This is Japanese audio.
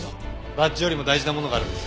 バッジよりも大事なものがあるんです。